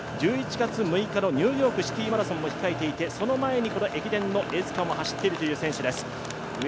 １１月６日のニューヨークシティマラソンも控えていてその前に駅伝のエース区間を走っている選手です。